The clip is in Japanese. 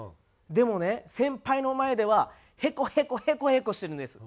でもね先輩の前ではヘコヘコヘコヘコしてるんです。